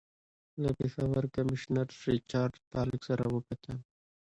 له پېښور کمیشنر سر ریچارډ پالک سره وکتل.